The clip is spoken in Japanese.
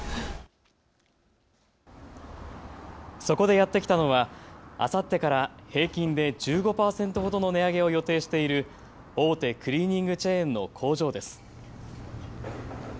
そこでやって来たのはあさってから平均で１５％ほどの値上げを予定している大手クリーニングチェーンの工場です。